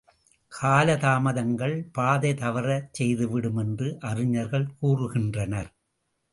காலதாமதங்கள் பாதை தவறச் செய்துவிடும் என்று அறிஞர்கள் கூறுகின்றனர்.